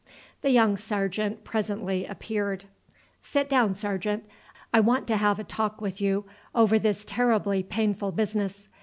The young sergeant presently appeared. "Sit down, sergeant. I want to have a talk with you over this terribly painful business.